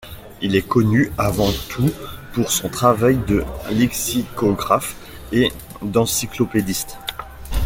Il est connu avant tout pour son travail de lexicographe et d’encyclopédiste.